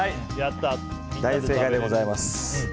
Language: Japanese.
大正解でございます。